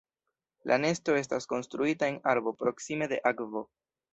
La nesto estas konstruita en arbo proksime de akvo.